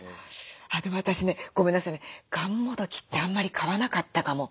でも私ねごめんなさいねがんもどきってあんまり買わなかったかも。